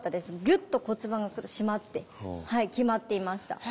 ギュッと骨盤が締まって極まっていました。